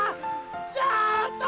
ちょっと！